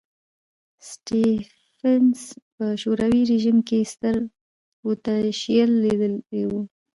سټېفنس په شوروي رژیم کې ستر پوتنشیل لیدلی و.